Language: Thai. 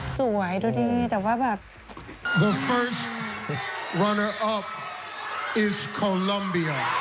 สวยดูดิแต่ว่าแบบ